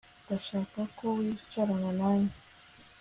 Ndashaka ko wicarana nanjye